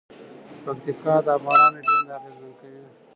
پکتیکا د افغانانو ژوند اغېزمن کوي.